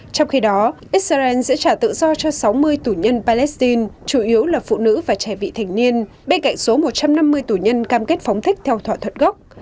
trong khi đó israel sẽ trả tự do cho sáu mươi tù nhân palestine chủ yếu là phụ nữ và trẻ vị thành niên bên cạnh số một trăm năm mươi tù nhân cam kết phóng thích theo thỏa thuận gốc